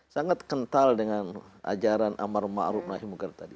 sangat kental dengan ajaran amar ma'ruf nahi munkar tadi